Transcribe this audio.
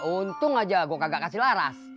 untung aja gue kagak kasih laras